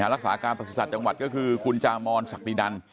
รักษาการประสุทธิ์จังหวัดก็คือคุณจามอนศักดินัน